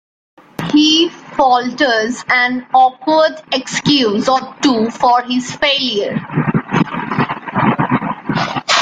He falters an awkward excuse or two for his failure.